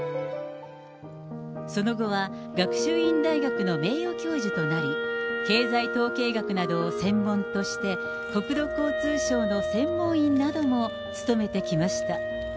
その後は、学習院大学の名誉教授となり、経済統計学などを専門として、国土交通省の専門員なども務めてきました。